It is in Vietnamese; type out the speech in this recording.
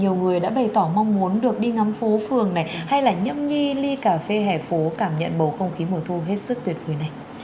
nhiều người đã bày tỏ mong muốn được đi ngắm phố phường này hay là nhiễm nhi ly cà phê hẻ phố cảm nhận bầu không khí mùa thu hết sức tuyệt vời này